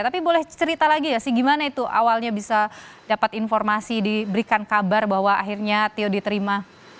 tapi boleh cerita lagi gak sih gimana itu awalnya bisa dapat informasi diberikan kabar bahwa akhirnya tio diterima